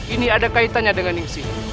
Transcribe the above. ini ada kaitannya dengan ning si